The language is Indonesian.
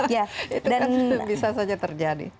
itu kan bisa saja terjadi